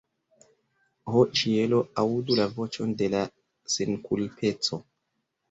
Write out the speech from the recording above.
Ho ĉielo, aŭdu la voĉon de la senkulpeco!